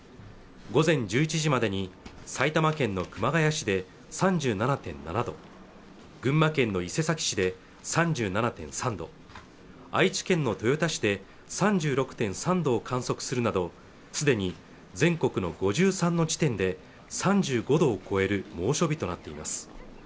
午前１１時までに埼玉県の熊谷市で３７．７度群馬県の伊勢崎市で３７．３度愛知県の豊田市で３６．３度を観測するなどすでに全国の５３の地点で３５度を超える猛暑日となっています